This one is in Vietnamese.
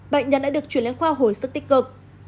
bệnh nhân đã được chuyển lên khoa hồi sức tích cực